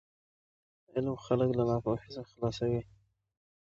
علم خلک له ناپوهي څخه خلاصوي.